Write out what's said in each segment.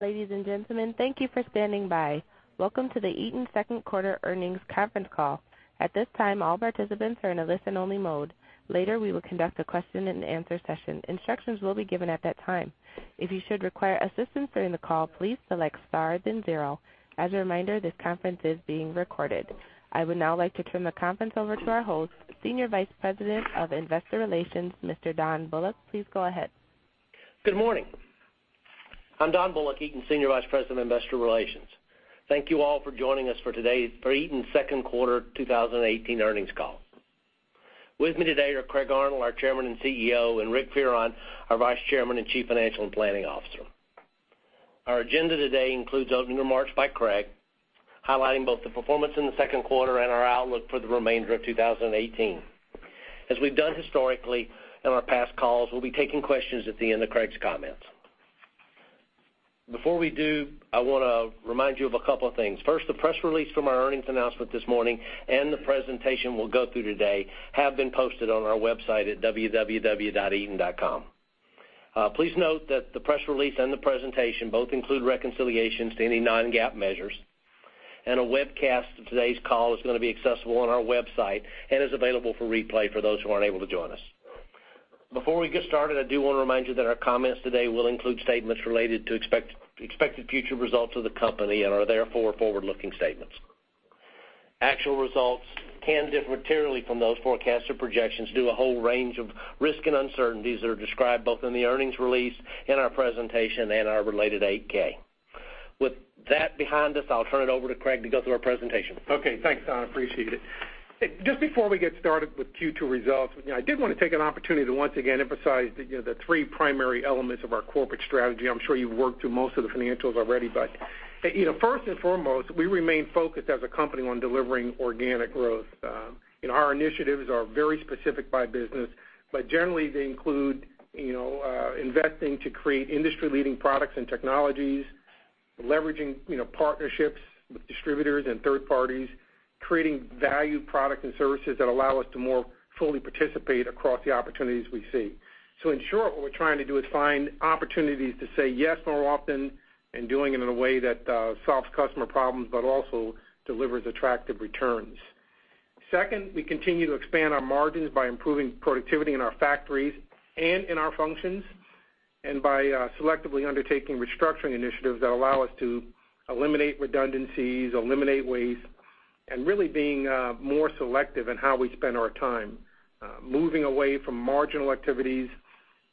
Ladies and gentlemen, thank you for standing by. Welcome to the Eaton Second Quarter Earnings Conference Call. At this time, all participants are in a listen-only mode. Later, we will conduct a question and answer session. Instructions will be given at that time. If you should require assistance during the call, please select star then zero. As a reminder, this conference is being recorded. I would now like to turn the conference over to our host, Senior Vice President of Investor Relations, Mr. Donald Bullock. Please go ahead. Good morning. I'm Don Bullock, Eaton's Senior Vice President of Investor Relations. Thank you all for joining us for today's Eaton second quarter 2018 earnings call. With me today are Craig Arnold, our Chairman and CEO, and Ric Fearon, our Vice Chairman and Chief Financial and Planning Officer. Our agenda today includes opening remarks by Craig, highlighting both the performance in the second quarter and our outlook for the remainder of 2018. As we've done historically in our past calls, we'll be taking questions at the end of Craig's comments. Before we do, I want to remind you of a couple of things. First, the press release from our earnings announcement this morning and the presentation we'll go through today have been posted on our website at www.eaton.com. Please note that the press release and the presentation both include reconciliations to any non-GAAP measures, and a webcast of today's call is going to be accessible on our website and is available for replay for those who aren't able to join us. Before we get started, I do want to remind you that our comments today will include statements related to expected future results of the company and are therefore forward-looking statements. Actual results can differ materially from those forecasts or projections due to a whole range of risks and uncertainties that are described both in the earnings release, in our presentation, and our related 8-K. With that behind us, I'll turn it over to Craig to go through our presentation. Okay, thanks, Don. Appreciate it. Just before we get started with Q2 results, I did want to take an opportunity to once again emphasize the three primary elements of our corporate strategy. I'm sure you've worked through most of the financials already, but first and foremost, we remain focused as a company on delivering organic growth. Our initiatives are very specific by business, but generally they include investing to create industry-leading products and technologies, leveraging partnerships with distributors and third parties, creating valued product and services that allow us to more fully participate across the opportunities we see. In short, what we're trying to do is find opportunities to say yes more often and doing it in a way that solves customer problems but also delivers attractive returns. Second, we continue to expand our margins by improving productivity in our factories and in our functions, and by selectively undertaking restructuring initiatives that allow us to eliminate redundancies, eliminate waste, and really being more selective in how we spend our time. Moving away from marginal activities,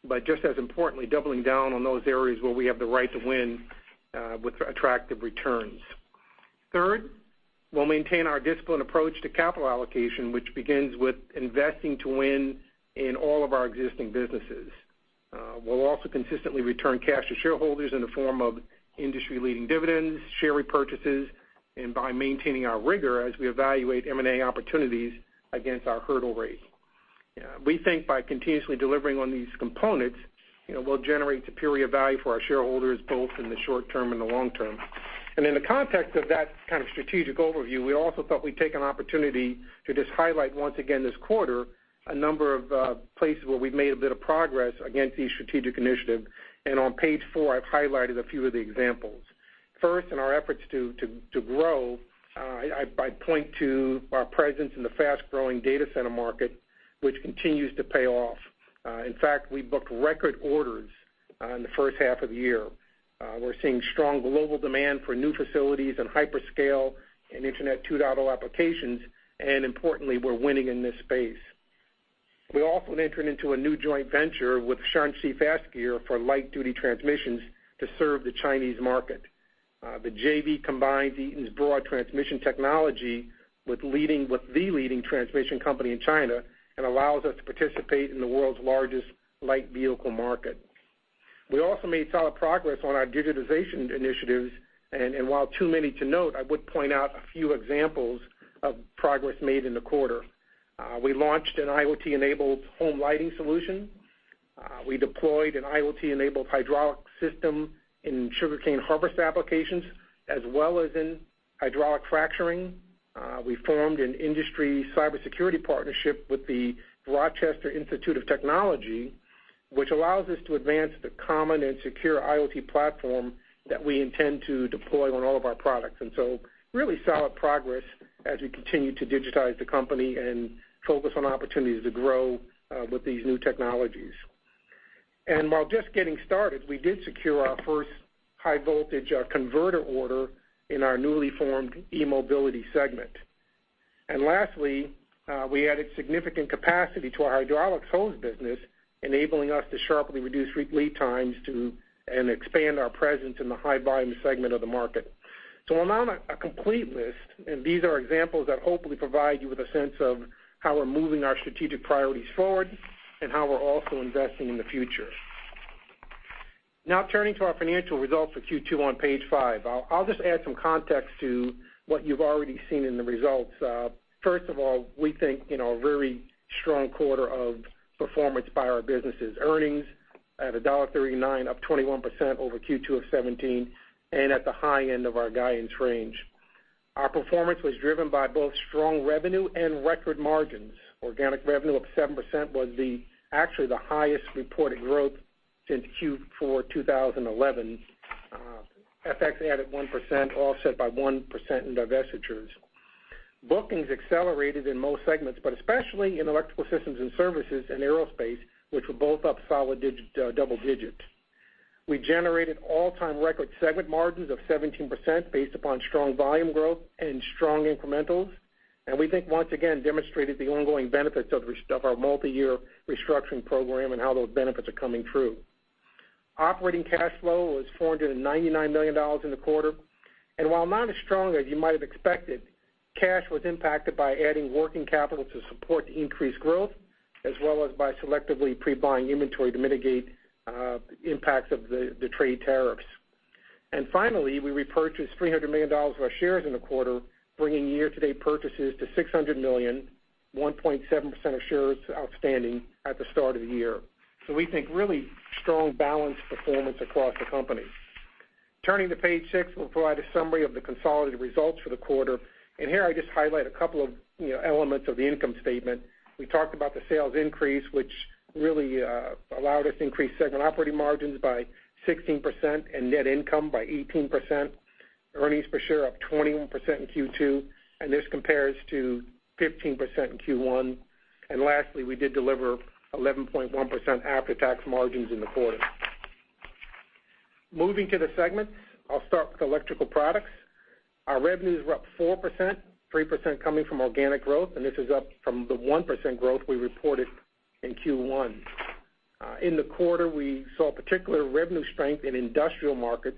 but just as importantly, doubling down on those areas where we have the right to win with attractive returns. Third, we'll maintain our disciplined approach to capital allocation, which begins with investing to win in all of our existing businesses. We'll also consistently return cash to shareholders in the form of industry-leading dividends, share repurchases, and by maintaining our rigor as we evaluate M&A opportunities against our hurdle rate. We think by continuously delivering on these components, we'll generate superior value for our shareholders, both in the short term and the long term. In the context of that kind of strategic overview, we also thought we'd take an opportunity to just highlight once again this quarter, a number of places where we've made a bit of progress against each strategic initiative. On page four, I've highlighted a few of the examples. First, in our efforts to grow, I'd point to our presence in the fast-growing data center market, which continues to pay off. In fact, we booked record orders in the first half of the year. We're seeing strong global demand for new facilities and hyperscale and Internet 2.0 applications, and importantly, we're winning in this space. We also entered into a new joint venture with Shaanxi Fast Gear for light-duty transmissions to serve the Chinese market. The JV combines Eaton's broad transmission technology with the leading transmission company in China and allows us to participate in the world's largest light vehicle market. We also made solid progress on our digitization initiatives, and while too many to note, I would point out a few examples of progress made in the quarter. We launched an IoT-enabled home lighting solution. We deployed an IoT-enabled hydraulic system in sugarcane harvest applications, as well as in hydraulic fracturing. We formed an industry cybersecurity partnership with the Rochester Institute of Technology, which allows us to advance the common and secure IoT platform that we intend to deploy on all of our products. Really solid progress as we continue to digitize the company and focus on opportunities to grow with these new technologies. While just getting started, we did secure our first high voltage converter order in our newly formed eMobility segment. Lastly, we added significant capacity to our hydraulics hose business, enabling us to sharply reduce lead times and expand our presence in the high volume segment of the market. While not a complete list, and these are examples that hopefully provide you with a sense of how we're moving our strategic priorities forward and how we're also investing in the future. Now turning to our financial results for Q2 on page five. I'll just add some context to what you've already seen in the results. First of all, we think a very strong quarter of performance by our businesses. Earnings at $1.39, up 21% over Q2 of 2017, and at the high end of our guidance range. Our performance was driven by both strong revenue and record margins. Organic revenue up 7% was actually the highest reported growth since Q4 2011. FX added 1%, offset by 1% in divestitures. Bookings accelerated in most segments, but especially in Electrical Systems and Services and Aerospace, which were both up solid double digits. We generated all-time record segment margins of 17% based upon strong volume growth and strong incrementals. We think, once again, demonstrated the ongoing benefits of our multi-year restructuring program and how those benefits are coming through. Operating cash flow was $499 million in the quarter, and while not as strong as you might have expected, cash was impacted by adding working capital to support the increased growth, as well as by selectively pre-buying inventory to mitigate impacts of the trade tariffs. Finally, we repurchased $300 million of our shares in the quarter, bringing year-to-date purchases to $600 million, 1.7% of shares outstanding at the start of the year. We think really strong, balanced performance across the company. Turning to page six, we'll provide a summary of the consolidated results for the quarter. Here I just highlight a couple of elements of the income statement. We talked about the sales increase, which really allowed us to increase segment operating margins by 16% and net income by 18%. Earnings per share up 21% in Q2, and this compares to 15% in Q1. Lastly, we did deliver 11.1% after-tax margins in the quarter. Moving to the segments, I'll start with Electrical Products. Our revenues were up 4%, 3% coming from organic growth, and this is up from the 1% growth we reported in Q1. In the quarter, we saw particular revenue strength in industrial markets,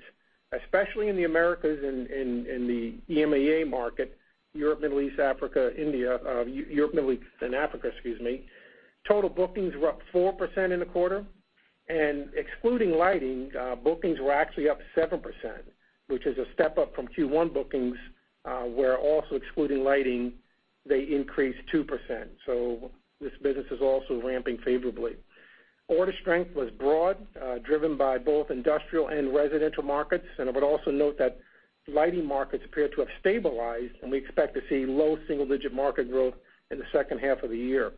especially in the Americas and the EMEA market, Europe, Middle East, Africa, India. Europe, Middle East, and Africa, excuse me. Total bookings were up 4% in the quarter, and excluding lighting, bookings were actually up 7%, which is a step up from Q1 bookings, where also excluding lighting, they increased 2%. This business is also ramping favorably. Order strength was broad, driven by both industrial and residential markets. I would also note that lighting markets appear to have stabilized, and we expect to see low single-digit market growth in the second half of the year.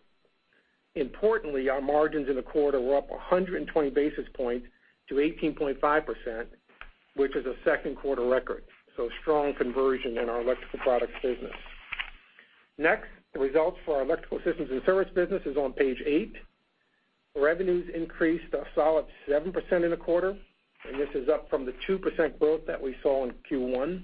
Importantly, our margins in the quarter were up 120 basis points to 18.5%, which is a second quarter record. Strong conversion in our Electrical Products business. Next, the results for our Electrical Systems and Services business is on page eight. Revenues increased a solid 7% in the quarter, and this is up from the 2% growth that we saw in Q1.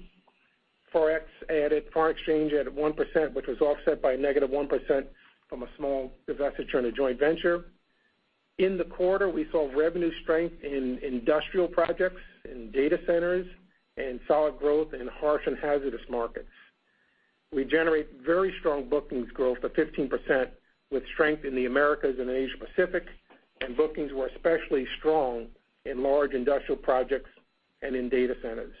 Foreign exchange added 1%, which was offset by a negative 1% from a small divestiture in a joint venture. In the quarter, we saw revenue strength in industrial projects, in data centers, and solid growth in harsh and hazardous markets. We generate very strong bookings growth of 15% with strength in the Americas and Asia Pacific, and bookings were especially strong in large industrial projects and in data centers.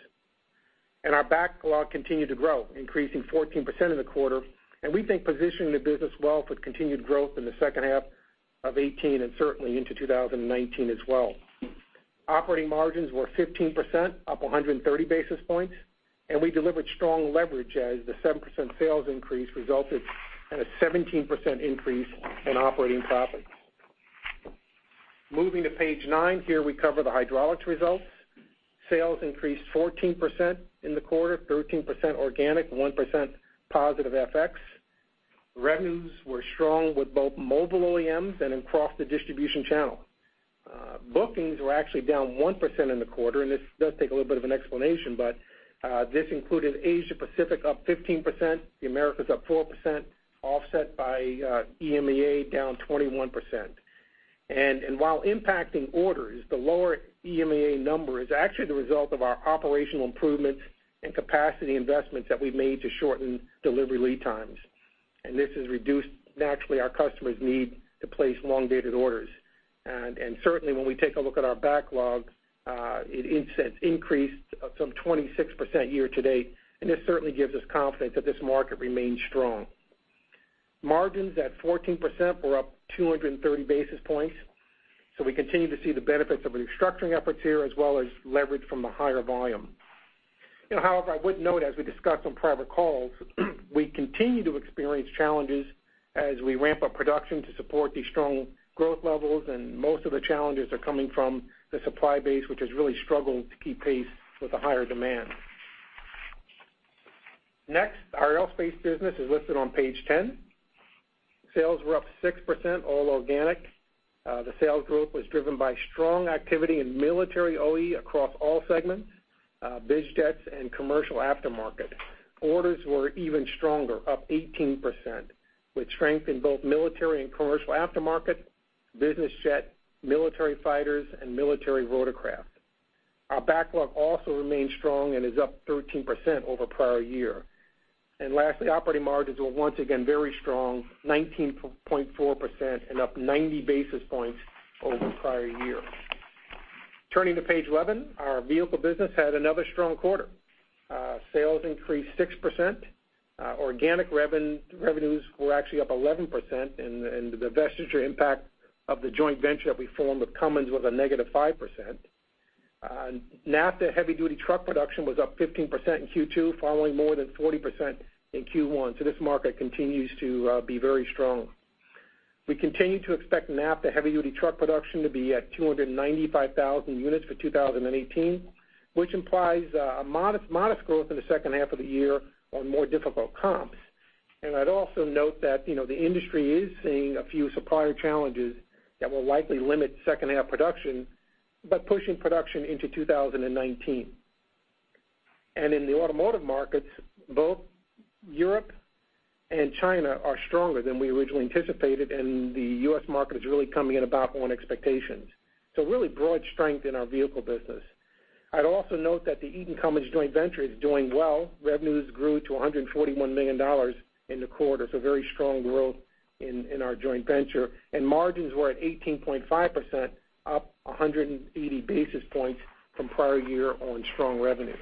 Our backlog continued to grow, increasing 14% in the quarter, and we think positioning the business well for continued growth in the second half of 2018 and certainly into 2019 as well. Operating margins were 15%, up 130 basis points, and we delivered strong leverage as the 7% sales increase resulted in a 17% increase in operating profits. Moving to page nine, here we cover the hydraulics results. Sales increased 14% in the quarter, 13% organic, 1% positive FX. Revenues were strong with both mobile OEMs and across the distribution channel. Bookings were actually down 1% in the quarter. This does take a little bit of an explanation, but this included Asia Pacific up 15%, the Americas up 4%, offset by EMEA down 21%. While impacting orders, the lower EMEA number is actually the result of our operational improvements and capacity investments that we've made to shorten delivery lead times. This has reduced, naturally, our customers' need to place long-dated orders. Certainly, when we take a look at our backlog, it increased some 26% year to date, and this certainly gives us confidence that this market remains strong. Margins at 14% were up 230 basis points. We continue to see the benefits of the restructuring efforts here, as well as leverage from the higher volume. However, I would note, as we discussed on private calls, we continue to experience challenges as we ramp up production to support these strong growth levels, and most of the challenges are coming from the supply base, which has really struggled to keep pace with the higher demand. Next, our aerospace business is listed on page 10. Sales were up 6%, all organic. The sales growth was driven by strong activity in military OE across all segments, biz jets and commercial aftermarket. Orders were even stronger, up 18%, with strength in both military and commercial aftermarket, business jet, military fighters, and military rotorcraft. Our backlog also remains strong and is up 13% over prior year. Lastly, operating margins were once again very strong, 19.4% and up 90 basis points over prior year. Turning to page 11, our vehicle business had another strong quarter. Sales increased 6%. Organic revenues were actually up 11%, and the divestiture impact of the joint venture that we formed with Cummins was a negative 5%. NAFTA heavy-duty truck production was up 15% in Q2, following more than 40% in Q1. This market continues to be very strong. We continue to expect NAFTA heavy-duty truck production to be at 295,000 units for 2018, which implies a modest growth in the second half of the year on more difficult comps. I'd also note that the industry is seeing a few supplier challenges that will likely limit second half production, but pushing production into 2019. In the automotive markets, both Europe and China are stronger than we originally anticipated, and the U.S. market is really coming in about on expectations. Really broad strength in our vehicle business. I'd also note that the Eaton Cummins joint venture is doing well. Revenues grew to $141 million in the quarter. Very strong growth in our joint venture. Margins were at 18.5%, up 180 basis points from prior year on strong revenue.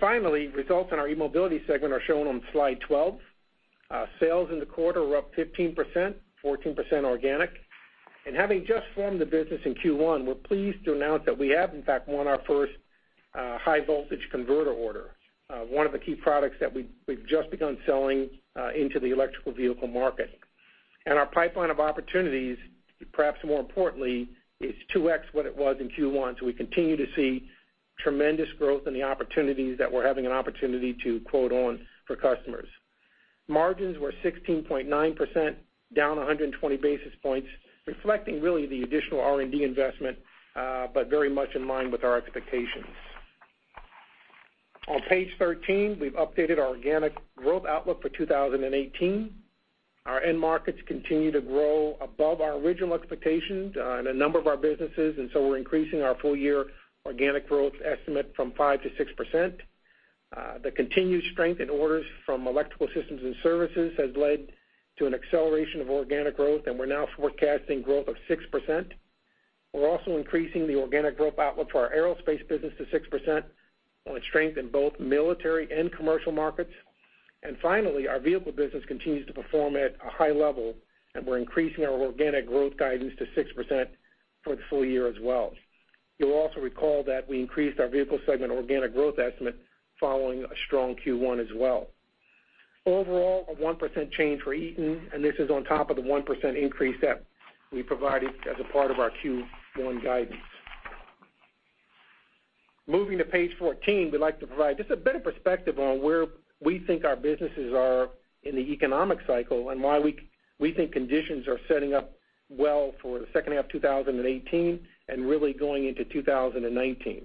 Finally, results in our eMobility segment are shown on slide 12. Sales in the quarter were up 15%, 14% organic. Having just formed the business in Q1, we're pleased to announce that we have in fact won our first high voltage converter order, one of the key products that we've just begun selling into the electrical vehicle market. Our pipeline of opportunities, perhaps more importantly, is 2x what it was in Q1. We continue to see tremendous growth in the opportunities that we're having an opportunity to quote on for customers. Margins were 16.9%, down 120 basis points, reflecting really the additional R&D investment, but very much in line with our expectations. On page 13, we've updated our organic growth outlook for 2018. Our end markets continue to grow above our original expectations in a number of our businesses. We're increasing our full year organic growth estimate from 5%-6%. The continued strength in orders from electrical systems and services has led to an acceleration of organic growth. We're now forecasting growth of 6%. We're also increasing the organic growth outlook for our aerospace business to 6%, on the strength in both military and commercial markets. Finally, our vehicle business continues to perform at a high level. We're increasing our organic growth guidance to 6% for the full year as well. You'll also recall that we increased our vehicle segment organic growth estimate following a strong Q1 as well. Overall, a 1% change for Eaton. This is on top of the 1% increase that we provided as a part of our Q1 guidance. Moving to page 14, we'd like to provide just a bit of perspective on where we think our businesses are in the economic cycle. Why we think conditions are setting up well for the second half of 2018 and really going into 2019.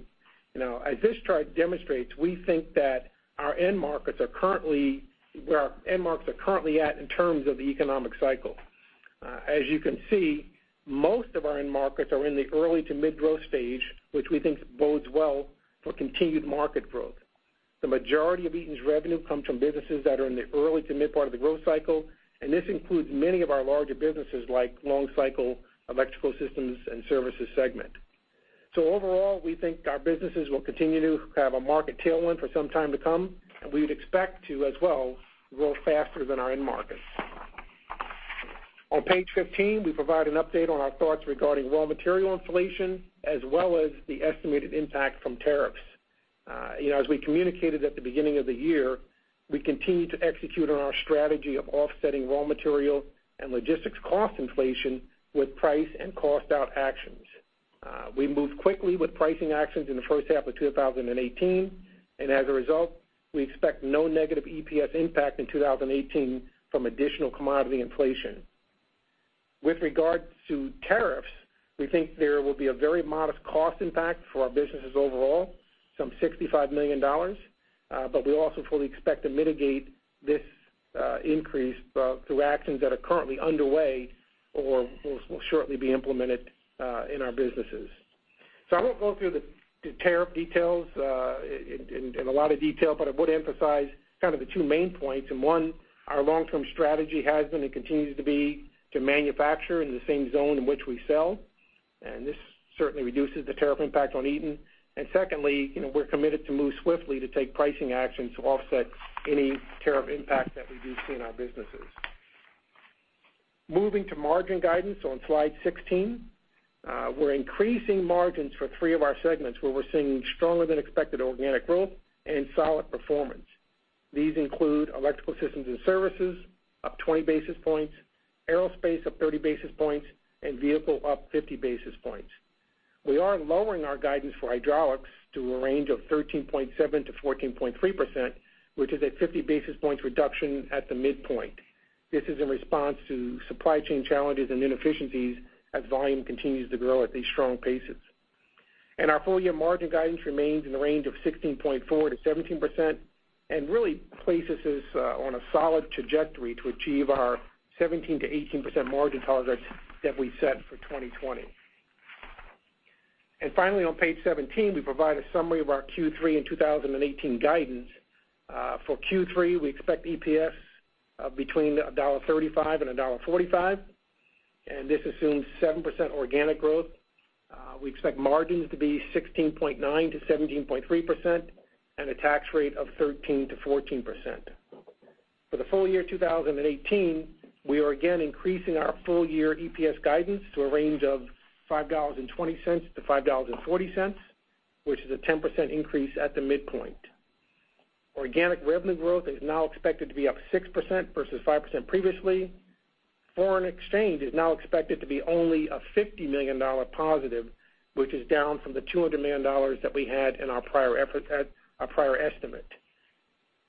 As this chart demonstrates, we think that where our end markets are currently at in terms of the economic cycle. As you can see, most of our end markets are in the early to mid-growth stage, which we think bodes well for continued market growth. The majority of Eaton's revenue comes from businesses that are in the early to mid part of the growth cycle, and this includes many of our larger businesses like long cycle electrical systems and services segment. Overall, we think our businesses will continue to have a market tailwind for some time to come. We would expect to, as well, grow faster than our end markets. On page 15, we provide an update on our thoughts regarding raw material inflation, as well as the estimated impact from tariffs. We communicated at the beginning of the year, we continue to execute on our strategy of offsetting raw material and logistics cost inflation with price and cost out actions. We moved quickly with pricing actions in the first half of 2018. As a result, we expect no negative EPS impact in 2018 from additional commodity inflation. With regard to tariffs, we think there will be a very modest cost impact for our businesses overall, some $65 million. We also fully expect to mitigate this increase through actions that are currently underway or will shortly be implemented in our businesses. I won't go through the tariff details in a lot of detail. I would emphasize kind of the two main points. One, our long-term strategy has been and continues to be to manufacture in the same zone in which we sell, and this certainly reduces the tariff impact on Eaton. Secondly, we're committed to move swiftly to take pricing action to offset any tariff impact that we do see in our businesses. Moving to margin guidance on slide 16. We're increasing margins for three of our segments, where we're seeing stronger than expected organic growth and solid performance. These include electrical systems and services, up 20 basis points, aerospace up 30 basis points, and vehicle up 50 basis points. We are lowering our guidance for hydraulics to a range of 13.7%-14.3%, which is a 50 basis points reduction at the midpoint. This is in response to supply chain challenges and inefficiencies as volume continues to grow at these strong paces. Our full year margin guidance remains in the range of 16.4%-17%, and really places us on a solid trajectory to achieve our 17%-18% margin targets that we set for 2020. Finally, on page 17, we provide a summary of our Q3 in 2018 guidance. For Q3, we expect EPS between $1.35-$1.45. This assumes 7% organic growth. We expect margins to be 16.9%-17.3%, and a tax rate of 13%-14%. For the full year 2018, we are again increasing our full year EPS guidance to a range of $5.20-$5.40, which is a 10% increase at the midpoint. Organic revenue growth is now expected to be up 6% versus 5% previously. Foreign exchange is now expected to be only a $50 million positive, which is down from the $200 million that we had in our prior estimate.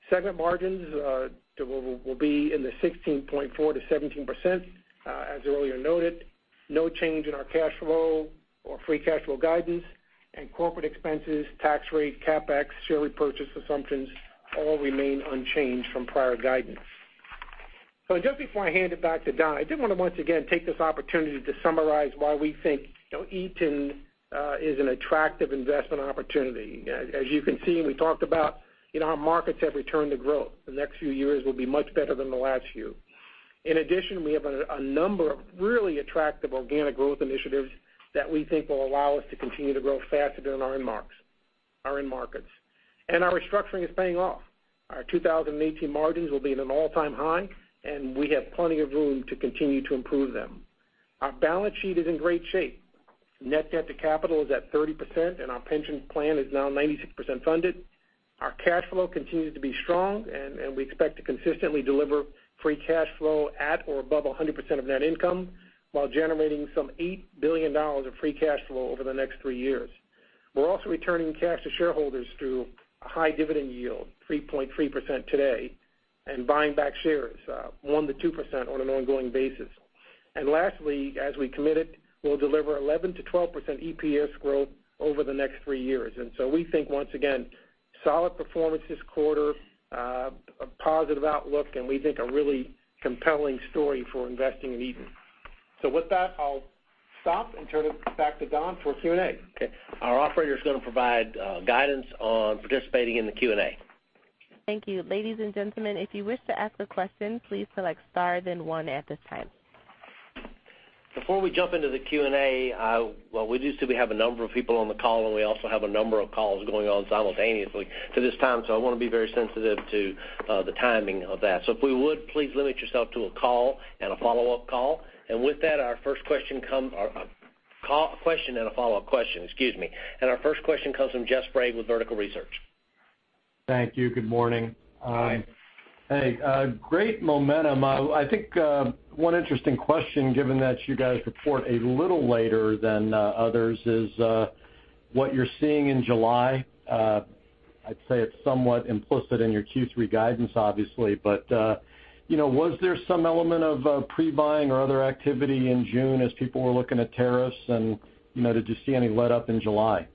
Segment margins will be in the 16.4%-17%. As earlier noted, no change in our cash flow or free cash flow guidance, corporate expenses, tax rate, CapEx, share repurchase assumptions all remain unchanged from prior guidance. Just before I hand it back to Don, I did want to once again take this opportunity to summarize why we think Eaton is an attractive investment opportunity. As you can see, we talked about, our markets have returned to growth. The next few years will be much better than the last few. In addition, we have a number of really attractive organic growth initiatives that we think will allow us to continue to grow faster than our end markets. Our restructuring is paying off. Our 2018 margins will be at an all-time high, we have plenty of room to continue to improve them. Our balance sheet is in great shape. Net debt to capital is at 30%, our pension plan is now 96% funded. Our cash flow continues to be strong. We expect to consistently deliver free cash flow at or above 100% of net income while generating some $8 billion of free cash flow over the next three years. We're also returning cash to shareholders through a high dividend yield, 3.3% today, buying back shares, 1%-2% on an ongoing basis. Lastly, as we committed, we'll deliver 11%-12% EPS growth over the next three years. We think, once again, solid performance this quarter, a positive outlook, and we think a really compelling story for investing in Eaton. With that, I'll stop and turn it back to Don for Q&A. Okay. Our operator is going to provide guidance on participating in the Q&A. Thank you. Ladies and gentlemen, if you wish to ask a question, please select star then one at this time. Before we jump into the Q&A, well, we do see we have a number of people on the call. We also have a number of calls going on simultaneously to this time, I want to be very sensitive to the timing of that. If we would, please limit yourself to a call and a follow-up call. With that, our first question comes, or a question and a follow-up question, excuse me. Our first question comes from Jeff Sprague with Vertical Research. Thank you. Good morning. Hi. Hey. Great momentum. I think one interesting question, given that you guys report a little later than others, is what you're seeing in July. I'd say it's somewhat implicit in your Q3 guidance, obviously. Was there some element of pre-buying or other activity in June as people were looking at tariffs, and did you see any letup in July?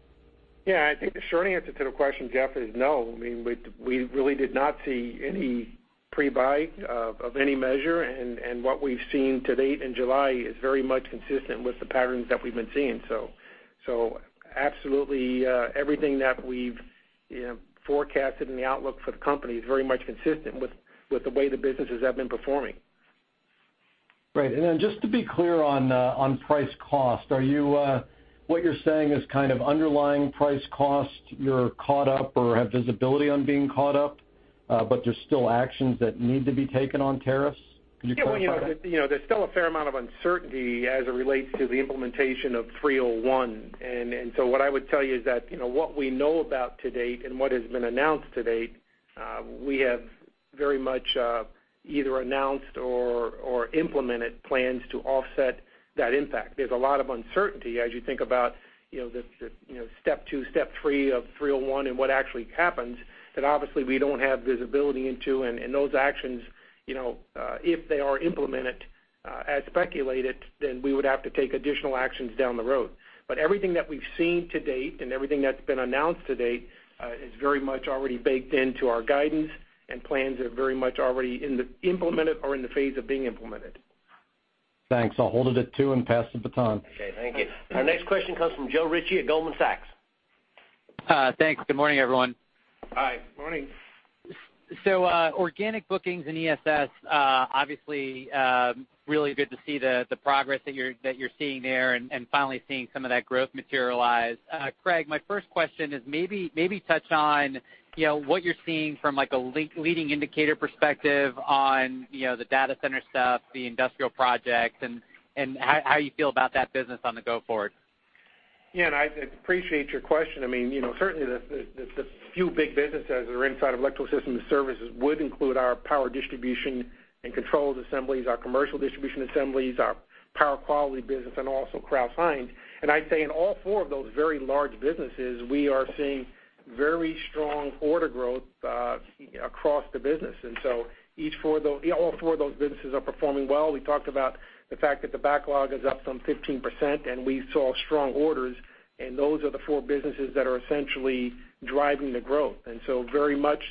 I think the short answer to the question, Jeff, is no. We really did not see any pre-buy of any measure, and what we've seen to date in July is very much consistent with the patterns that we've been seeing. Absolutely, everything that we've forecasted in the outlook for the company is very much consistent with the way the businesses have been performing. Great. Just to be clear on price cost, what you're saying is kind of underlying price cost, you're caught up or have visibility on being caught up, but there's still actions that need to be taken on tariffs? Can you clarify that? There's still a fair amount of uncertainty as it relates to the implementation of 301. What I would tell you is that what we know about to date and what has been announced to date, we have very much either announced or implemented plans to offset that impact. There's a lot of uncertainty as you think about step 2, step 3 of 301 and what actually happens that obviously we don't have visibility into. Those actions, if they are implemented as speculated, then we would have to take additional actions down the road. Everything that we've seen to date and everything that's been announced to date is very much already baked into our guidance, and plans are very much already implemented or in the phase of being implemented. Thanks. I'll hold it at two and pass the baton. Okay, thank you. Our next question comes from Joe Ritchie at Goldman Sachs. Thanks. Good morning, everyone. Hi. Morning. Organic bookings in ESS, obviously really good to see the progress that you're seeing there and finally seeing some of that growth materialize. Craig, my first question is maybe touch on what you're seeing from a leading indicator perspective on the data center stuff, the industrial projects, and how you feel about that business on the go forward. Yeah, I appreciate your question. Certainly, the few big businesses that are inside of Electrical Systems and Services would include our power distribution and controls assemblies, our commercial distribution assemblies, our power quality business, and also Crouse-Hinds. I'd say in all four of those very large businesses, we are seeing very strong order growth across the business. All four of those businesses are performing well. We talked about the fact that the backlog is up some 15%, and we saw strong orders, and those are the four businesses that are essentially driving the growth. Very much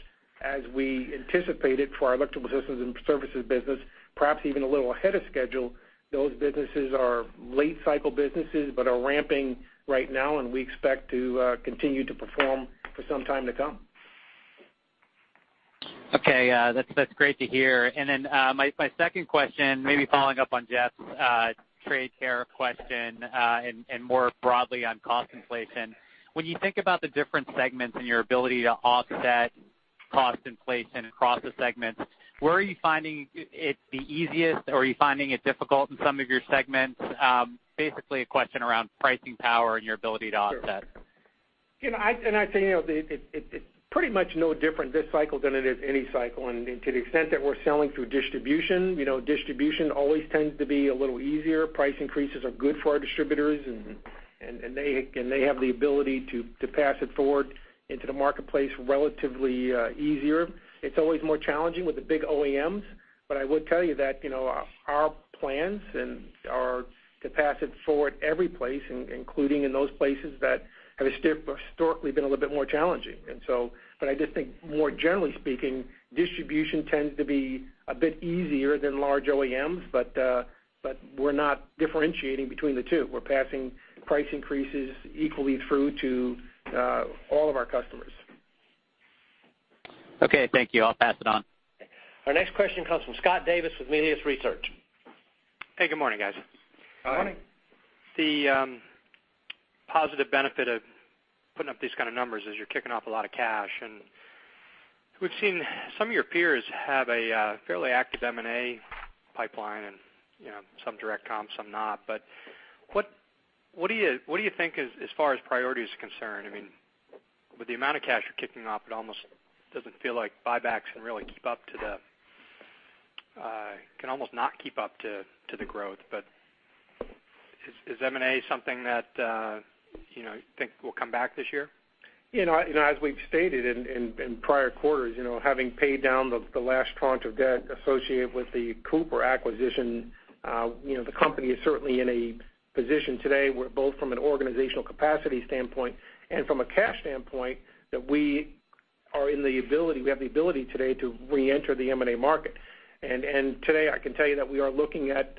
as we anticipated for our Electrical Systems and Services business, perhaps even a little ahead of schedule, those businesses are late cycle businesses but are ramping right now, and we expect to continue to perform for some time to come. Okay. That's great to hear. Then my second question, maybe following up on Jeff's trade tariff question and more broadly on cost inflation. When you think about the different segments and your ability to offset cost inflation across the segments, where are you finding it the easiest? Are you finding it difficult in some of your segments? Basically, a question around pricing power and your ability to offset. Sure. I say it's pretty much no different this cycle than it is any cycle. To the extent that we're selling through distribution always tends to be a little easier. Price increases are good for our distributors, and they have the ability to pass it forward into the marketplace relatively easier. It's always more challenging with the big OEMs. I would tell you that our plans are to pass it forward every place, including in those places that have historically been a little bit more challenging. I just think more generally speaking, distribution tends to be a bit easier than large OEMs, but we're not differentiating between the two. We're passing price increases equally through to all of our customers. Okay, thank you. I'll pass it on. Our next question comes from Scott Davis with Melius Research. Hey, good morning, guys. Good morning. The positive benefit of putting up these kind of numbers is you're kicking off a lot of cash. We've seen some of your peers have a fairly active M&A pipeline and some direct comps, some not. What do you think as far as priority is concerned? With the amount of cash you're kicking off, it almost doesn't feel like buybacks can almost not keep up to the growth. Is M&A something that you think will come back this year? As we've stated in prior quarters, having paid down the last tranche of debt associated with the Cooper acquisition, the company is certainly in a position today where both from an organizational capacity standpoint and from a cash standpoint, that we have the ability today to reenter the M&A market. Today, I can tell you that we are looking at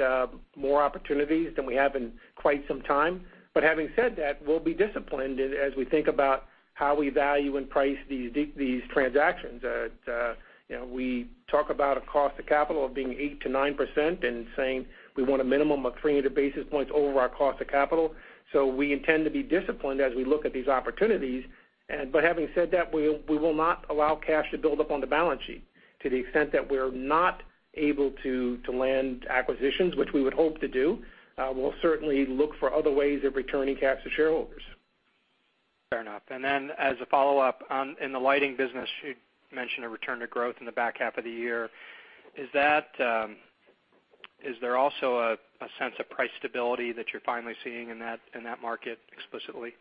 more opportunities than we have in quite some time. Having said that, we'll be disciplined as we think about how we value and price these transactions. We talk about a cost of capital of being 8%-9% and saying we want a minimum of 300 basis points over our cost of capital. We intend to be disciplined as we look at these opportunities. Having said that, we will not allow cash to build up on the balance sheet. To the extent that we're not able to land acquisitions, which we would hope to do, we'll certainly look for other ways of returning cash to shareholders. Fair enough. As a follow-up, in the lighting business, you mentioned a return to growth in the back half of the year. Is there also a sense of price stability that you're finally seeing in that market explicitly?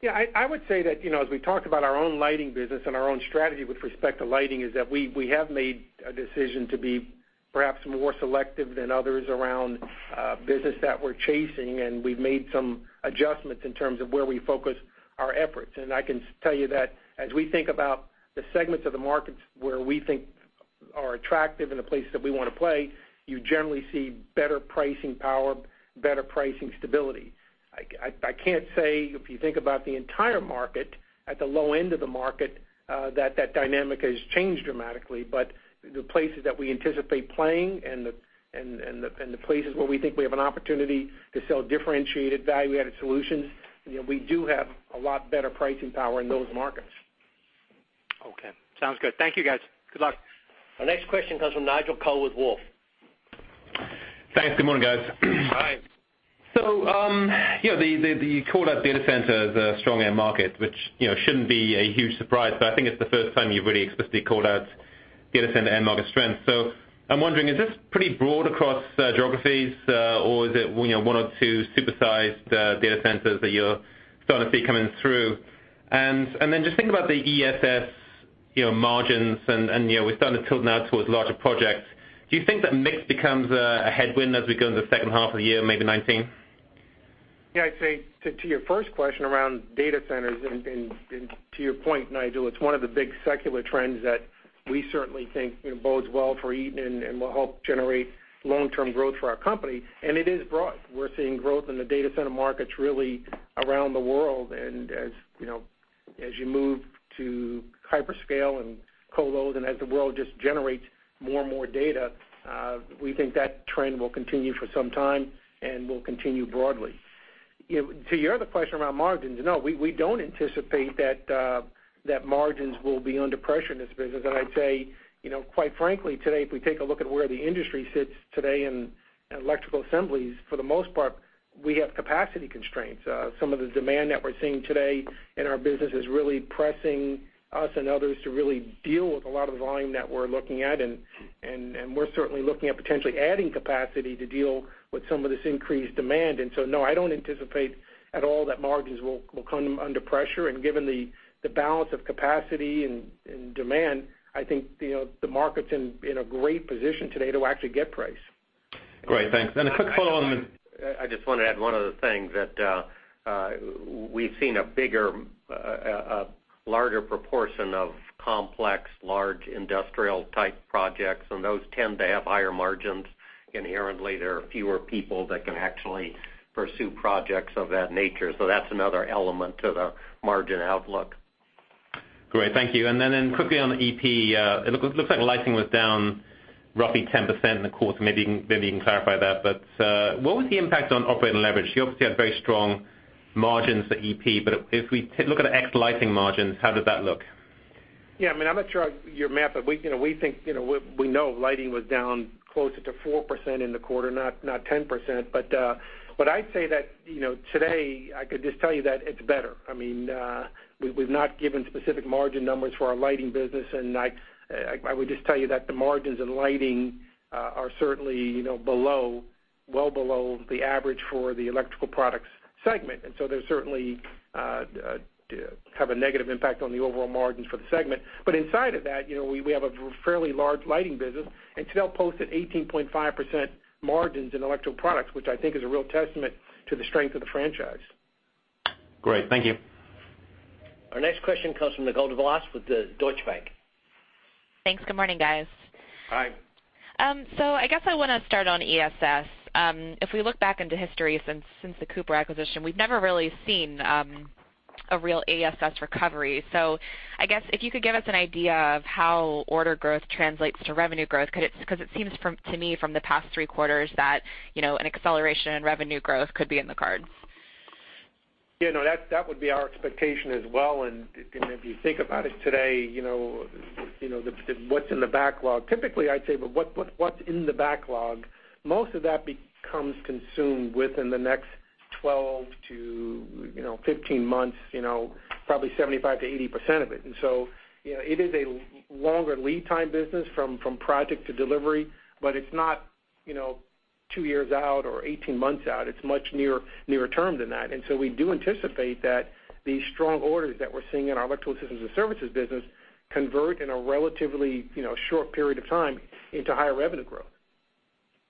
Yeah. I would say that, as we talked about our own lighting business and our own strategy with respect to lighting, is that we have made a decision to be perhaps more selective than others around business that we're chasing, and we've made some adjustments in terms of where we focus our efforts. I can tell you that as we think about the segments of the markets where we think are attractive and the places that we want to play, you generally see better pricing power, better pricing stability. I can't say if you think about the entire market, at the low end of the market, that dynamic has changed dramatically. The places that we anticipate playing and the places where we think we have an opportunity to sell differentiated value-added solutions, we do have a lot better pricing power in those markets. Okay, sounds good. Thank you, guys. Good luck. Our next question comes from Nigel Coe with Wolfe. Thanks. Good morning, guys. Hi. You called out data centers a strong end market, which shouldn't be a huge surprise, but I think it's the first time you've really explicitly called out data center end market strength. I'm wondering, is this pretty broad across geographies? Or is it one or two supersized data centers that you're starting to see coming through? Then just think about the ESS margins, and we're starting to tilt now towards larger projects. Do you think that mix becomes a headwind as we go into the second half of the year, maybe 2019? Yeah. I'd say to your first question around data centers, and to your point, Nigel, it's one of the big secular trends that we certainly think bodes well for Eaton and will help generate long-term growth for our company. It is broad. We're seeing growth in the data center markets really around the world. As you move to hyperscale and colo, as the world just generates more and more data, we think that trend will continue for some time and will continue broadly. To your other question around margins, no, we don't anticipate that margins will be under pressure in this business. I'd say, quite frankly, today, if we take a look at where the industry sits today in electrical assemblies, for the most part, we have capacity constraints. Some of the demand that we're seeing today in our business is really pressing us and others to really deal with a lot of the volume that we're looking at, we're certainly looking at potentially adding capacity to deal with some of this increased demand. No, I don't anticipate at all that margins will come under pressure. Given the balance of capacity and demand, I think the market's in a great position today to actually get price. Great. Thanks. A quick follow on- I just want to add one other thing, that we've seen a larger proportion of complex, large industrial-type projects, and those tend to have higher margins. Inherently, there are fewer people that can actually pursue projects of that nature. That's another element to the margin outlook. Great. Thank you. Quickly on EP, it looks like lighting was down roughly 10% in the quarter. Maybe you can clarify that, what was the impact on operating leverage? You obviously had very strong margins for EP, if we look at ex lighting margins, how did that look? Yeah. I'm not sure your math, we know lighting was down closer to 4% in the quarter, not 10%. I'd say that today, I could just tell you that it's better. We've not given specific margin numbers for our lighting business, I would just tell you that the margins in lighting are certainly well below the average for the electrical products segment. They certainly have a negative impact on the overall margins for the segment. Inside of that, we have a fairly large lighting business, today posted 18.5% margins in electrical products, which I think is a real testament to the strength of the franchise. Great. Thank you. Our next question comes from Nicole DeBlase with Deutsche Bank. Thanks. Good morning, guys. Hi. I guess I want to start on ESS. If we look back into history since the Cooper acquisition, we've never really seen a real ESS recovery. I guess if you could give us an idea of how order growth translates to revenue growth, because it seems to me from the past three quarters that an acceleration in revenue growth could be in the cards. Yeah, no, that would be our expectation as well. If you think about it today, what's in the backlog, typically, I'd say what's in the backlog, most of that becomes consumed within the next 12-15 months, probably 75%-80% of it. It is a longer lead time business from project to delivery, but it's not two years out or 18 months out. It's much nearer term than that. We do anticipate that these strong orders that we're seeing in our electrical systems and services business convert in a relatively short period of time into higher revenue growth.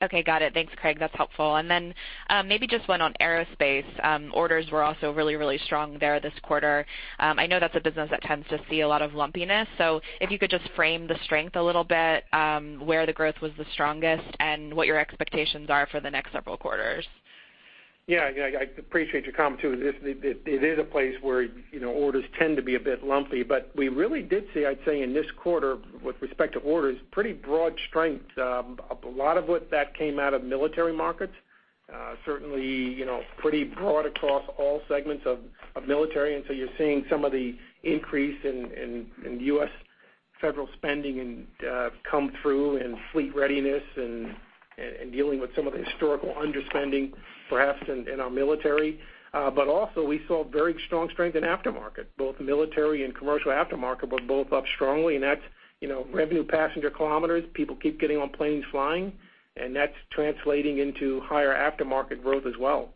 Okay. Got it. Thanks, Craig. That's helpful. Maybe just one on aerospace. Orders were also really, really strong there this quarter. I know that's a business that tends to see a lot of lumpiness. If you could just frame the strength a little bit, where the growth was the strongest and what your expectations are for the next several quarters. Yeah. I appreciate your comment, too. It is a place where orders tend to be a bit lumpy. We really did see, I'd say, in this quarter with respect to orders, pretty broad strength. A lot of what that came out of military markets, certainly pretty broad across all segments of military. You're seeing some of the increase in U.S. federal spending come through in fleet readiness and dealing with some of the historical underspending, perhaps in our military. Also we saw very strong strength in aftermarket, both military and commercial aftermarket, but both up strongly. That's revenue passenger kilometers. People keep getting on planes flying. That's translating into higher aftermarket growth as well.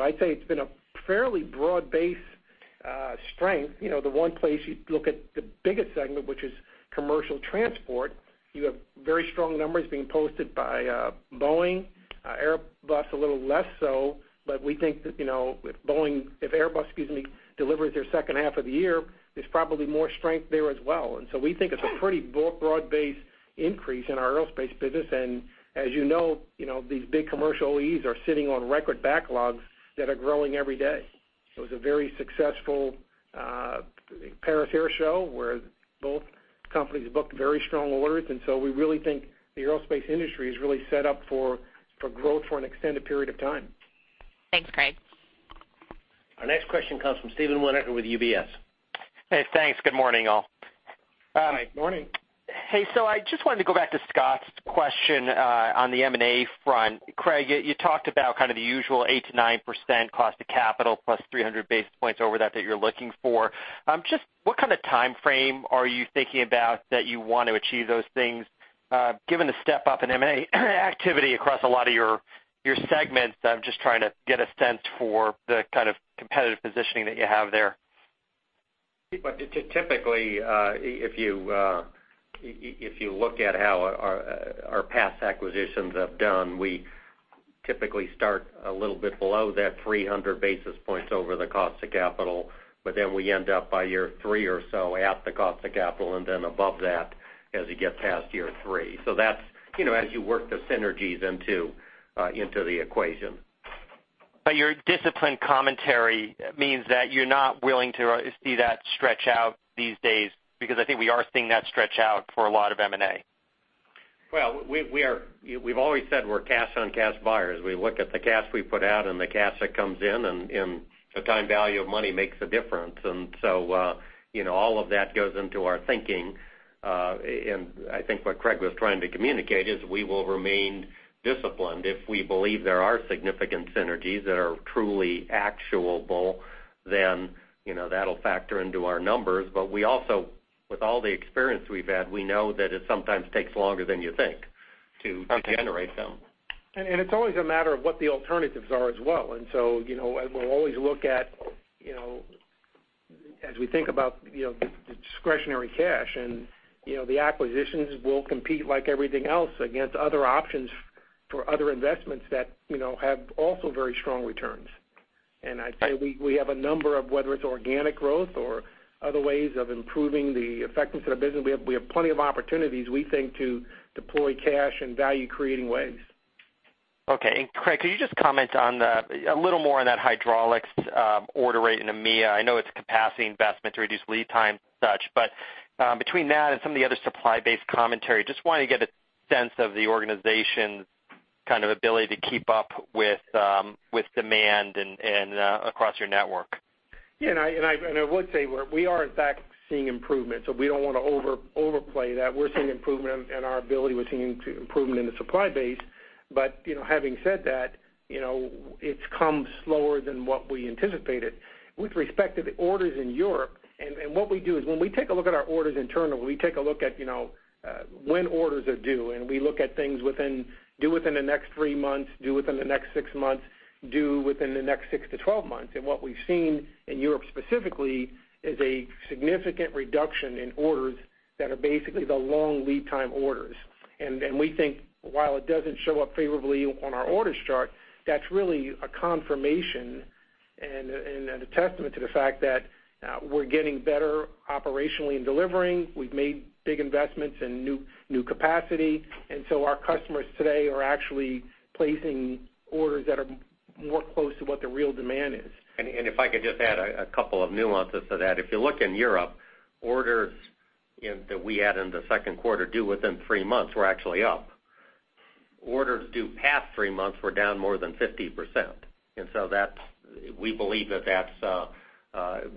I'd say it's been a fairly broad base strength. The one place you look at the biggest segment, which is commercial transport, you have very strong numbers being posted by Boeing, Airbus a little less so. We think that if Boeing, if Airbus, excuse me, delivers their second half of the year, there's probably more strength there as well. We think it's a pretty broad-based increase in our aerospace business. As you know, these big commercial OEAs are sitting on record backlogs that are growing every day. It was a very successful Farnborough Air Show, where both companies booked very strong orders. We really think the aerospace industry is really set up for growth for an extended period of time. Thanks, Craig. Our next question comes from Steve Winoker with UBS. Hey, thanks. Good morning, all. Morning. Hey, I just wanted to go back to Scott's question on the M&A front. Craig, you talked about kind of the usual 8% to 9% cost of capital plus 300 basis points over that you're looking for. Just what kind of timeframe are you thinking about that you want to achieve those things? Given the step up in M&A activity across a lot of your segments, I'm just trying to get a sense for the kind of competitive positioning that you have there. Typically, if you look at how our past acquisitions have done, we typically start a little bit below that 300 basis points over the cost of capital, but then we end up by year three or so at the cost of capital and then above that as you get past year three. That's as you work the synergies into the equation. Your disciplined commentary means that you're not willing to see that stretch out these days because I think we are seeing that stretch out for a lot of M&A. Well, we've always said we're cash-on-cash buyers. We look at the cash we put out and the cash that comes in, and the time value of money makes a difference. All of that goes into our thinking. I think what Craig was trying to communicate is we will remain disciplined. If we believe there are significant synergies that are truly actionable, then that'll factor into our numbers. We also, with all the experience we've had, we know that it sometimes takes longer than you think to generate them. It's always a matter of what the alternatives are as well. We'll always look at, as we think about the discretionary cash, and the acquisitions will compete like everything else against other options for other investments that have also very strong returns. I'd say we have a number of, whether it's organic growth or other ways of improving the effectiveness of the business, we have plenty of opportunities, we think, to deploy cash in value-creating ways. Okay. Craig, could you just comment a little more on that hydraulics order rate in EMEA? I know it's capacity investment to reduce lead time and such, but between that and some of the other supply-based commentary, just want to get a sense of the organization's Kind of ability to keep up with demand and across your network. Yeah, I would say we are in fact seeing improvement. We don't want to overplay that. We're seeing improvement and our ability, we're seeing improvement in the supply base. Having said that, it's come slower than what we anticipated. With respect to the orders in Europe, what we do is when we take a look at our orders internally, we take a look at when orders are due, and we look at things within due within the next three months, due within the next six months, due within the next six to 12 months. What we've seen in Europe specifically is a significant reduction in orders that are basically the long lead time orders. We think while it doesn't show up favorably on our orders chart, that's really a confirmation and a testament to the fact that we're getting better operationally in delivering. We've made big investments in new capacity. Our customers today are actually placing orders that are more close to what the real demand is. If I could just add a couple of nuances to that. If you look in Europe, orders that we had in the second quarter due within three months were actually up. Orders due past three months were down more than 50%. We believe that that's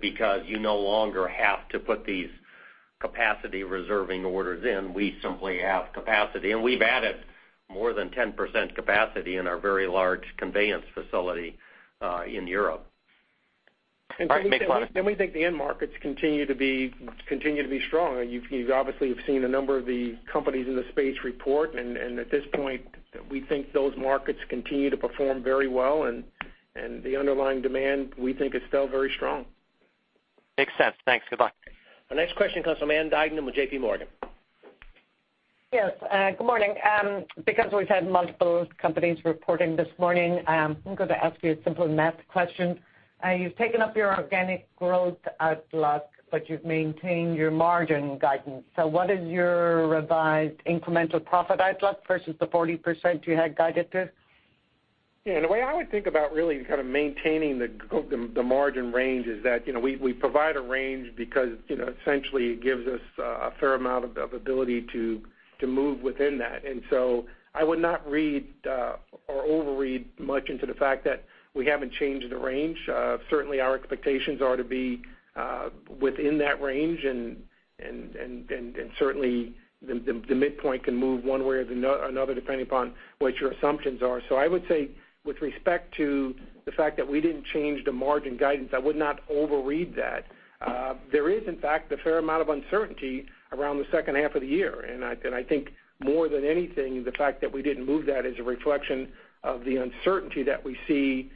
because you no longer have to put these capacity reserving orders in. We simply have capacity, and we've added more than 10% capacity in our very large conveyance facility in Europe. We think the end markets continue to be strong. You obviously have seen a number of the companies in the space report. At this point, we think those markets continue to perform very well. The underlying demand we think is still very strong. Makes sense. Thanks. Goodbye. Our next question comes from Ann Duignan with JPMorgan. Yes, good morning. Because we've had multiple companies reporting this morning, I'm going to ask you a simple math question. You've taken up your organic growth outlook, but you've maintained your margin guidance. What is your revised incremental profit outlook versus the 40% you had guided to? Yeah, the way I would think about really kind of maintaining the margin range is that we provide a range because essentially it gives us a fair amount of ability to move within that. I would not read or overread much into the fact that we haven't changed the range. Certainly, our expectations are to be within that range, and certainly the midpoint can move one way or another depending upon what your assumptions are. I would say with respect to the fact that we didn't change the margin guidance, I would not overread that. There is in fact a fair amount of uncertainty around the second half of the year, and I think more than anything, the fact that we didn't move that is a reflection of the uncertainty that we see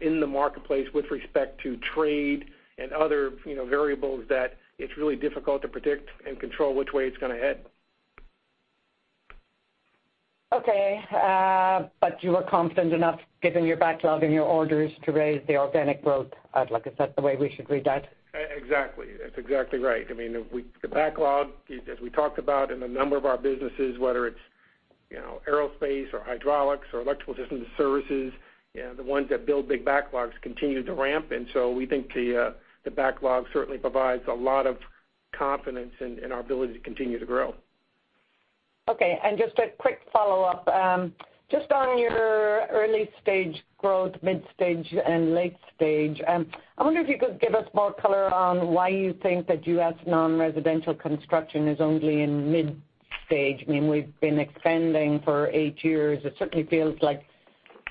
in the marketplace with respect to trade and other variables that it's really difficult to predict and control which way it's going to head. Okay, you are confident enough given your backlog and your orders to raise the organic growth outlook. Is that the way we should read that? Exactly. That's exactly right. The backlog, as we talked about in a number of our businesses, whether it's aerospace or hydraulics or Electrical Systems and Services, the ones that build big backlogs continue to ramp. We think the backlog certainly provides a lot of confidence in our ability to continue to grow. Okay, just a quick follow-up. Just on your early-stage growth, mid-stage, and late stage, I wonder if you could give us more color on why you think that U.S. non-residential construction is only in mid-stage. We've been expanding for eight years. It certainly feels like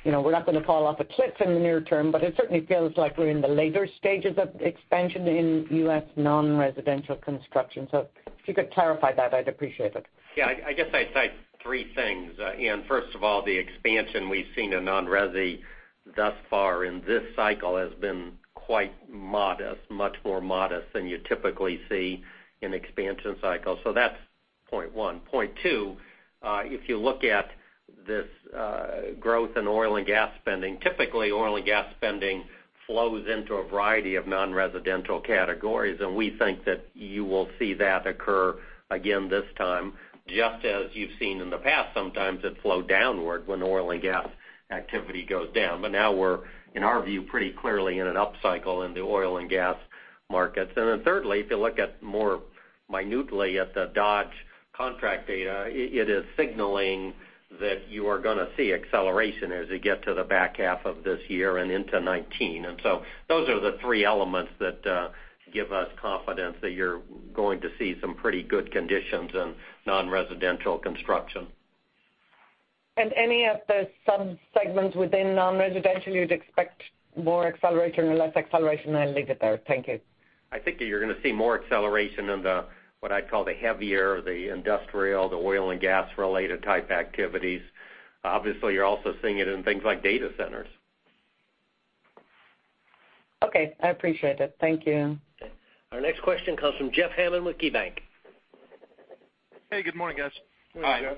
we're not going to fall off a cliff in the near term, it certainly feels like we're in the later stages of expansion in U.S. non-residential construction. If you could clarify that, I'd appreciate it. Yeah, I guess I'd cite three things. Ann, first of all, the expansion we've seen in non-resi thus far in this cycle has been quite modest, much more modest than you typically see in expansion cycles. That's point one. Point two, if you look at this growth in oil and gas spending, typically oil and gas spending flows into a variety of non-residential categories, we think that you will see that occur again this time. Just as you've seen in the past, sometimes it's flowed downward when oil and gas activity goes down. Now we're, in our view, pretty clearly in an upcycle in the oil and gas markets. Then thirdly, if you look at more minutely at the Dodge contract data, it is signaling that you are going to see acceleration as you get to the back half of this year and into 2019. Those are the three elements that give us confidence that you're going to see some pretty good conditions in non-residential construction. Any of the sub-segments within non-residential you'd expect more acceleration or less acceleration? I'll leave it there. Thank you. I think that you're going to see more acceleration in the, what I'd call the heavier, the industrial, the oil and gas-related type activities. Obviously, you're also seeing it in things like data centers. Okay, I appreciate it. Thank you. Our next question comes from Jeffrey Hammond with KeyBanc. Hey, good morning, guys. Hi. Good morning, Jeff.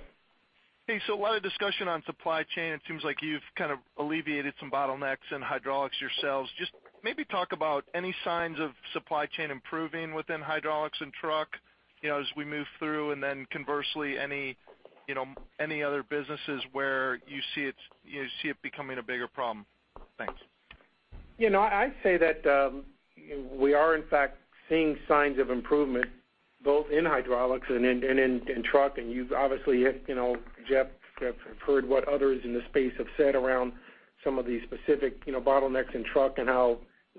Hey, a lot of discussion on supply chain. It seems like you've kind of alleviated some bottlenecks in hydraulics yourselves. Just maybe talk about any signs of supply chain improving within hydraulics and truck as we move through, and then conversely, any other businesses where you see it becoming a bigger problem? Thanks. I'd say that we are in fact seeing signs of improvement, both in hydraulics and in truck. You've obviously, Jeff, have heard what others in the space have said around some of the specific bottlenecks in truck and how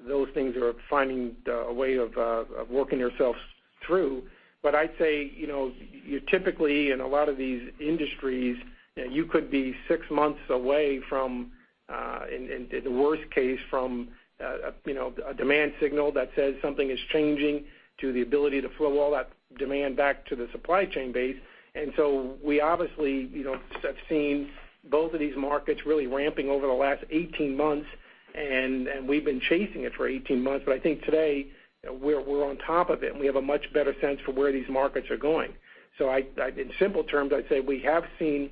those things are finding a way of working themselves through. I'd say, you typically, in a lot of these industries, you could be six months away, in the worst case, from a demand signal that says something is changing to the ability to flow all that demand back to the supply chain base. We obviously have seen both of these markets really ramping over the last 18 months, and we've been chasing it for 18 months, but I think today we're on top of it, and we have a much better sense for where these markets are going. In simple terms, I'd say we have seen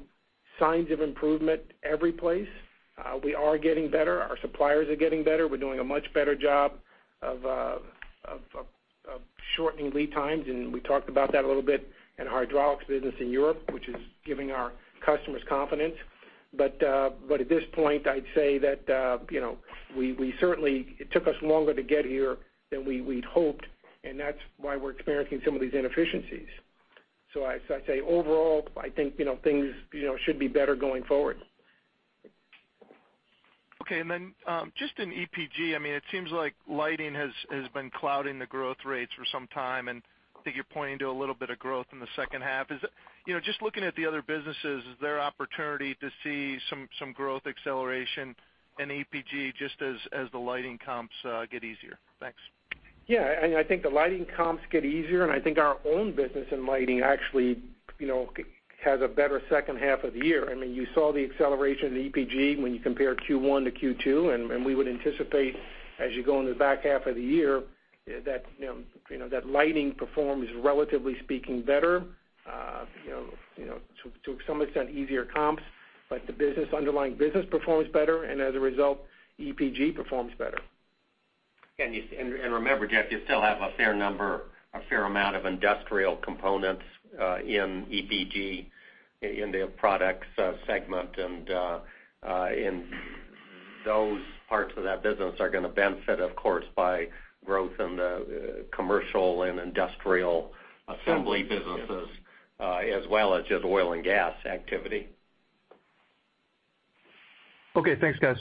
signs of improvement every place. We are getting better. Our suppliers are getting better. We're doing a much better job of shortening lead times, and we talked about that a little bit in hydraulics business in Europe, which is giving our customers confidence. At this point, I'd say that it took us longer to get here than we'd hoped, and that's why we're experiencing some of these inefficiencies. I say overall, I think things should be better going forward. Just in EPG, it seems like lighting has been clouding the growth rates for some time, and I think you're pointing to a little bit of growth in the second half. Just looking at the other businesses, is there opportunity to see some growth acceleration in EPG just as the lighting comps get easier? Thanks. Yeah. I think the lighting comps get easier, and I think our own business in lighting actually has a better second half of the year. You saw the acceleration in EPG when you compare Q1 to Q2, and we would anticipate, as you go into the back half of the year, that lighting performs, relatively speaking, better. To some extent, easier comps, but the underlying business performs better, and as a result, EPG performs better. Remember, Jeff, you still have a fair amount of industrial components in EPG in the products segment, and those parts of that business are going to benefit, of course, by growth in the commercial and industrial assembly businesses, as well as just oil and gas activity. Okay, thanks, guys.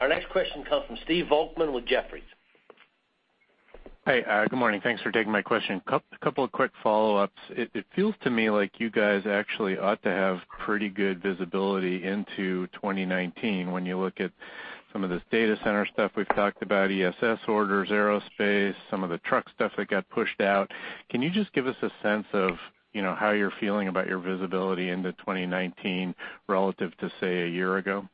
Our next question comes from Stephen Volkmann with Jefferies. Hey, good morning. Thanks for taking my question. Couple of quick follow-ups. It feels to me like you guys actually ought to have pretty good visibility into 2019 when you look at some of this data center stuff we've talked about, ESS orders, aerospace, some of the truck stuff that got pushed out. Can you just give us a sense of how you're feeling about your visibility into 2019 relative to, say, a year ago?